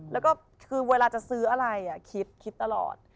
แล้วก็คือเวลาจะซื้ออะไรคิดคิดตลอด